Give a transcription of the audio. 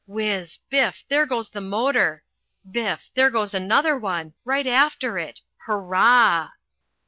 whiz! Biff! There goes the motor biff! There goes the other one right after it hoorah!